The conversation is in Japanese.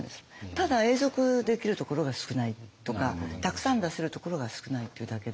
ただ永続できるところが少ないとかたくさん出せるところが少ないっていうだけで。